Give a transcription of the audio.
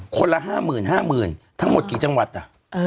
คนละ๕๕๐๐๐ทั้งหมดกี่จังหวัดอ่ะ